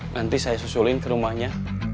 nanti saya susulin ke rumahnya